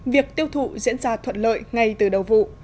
việc tiêu thụ diễn ra thuận lợi ngay từ đầu vụ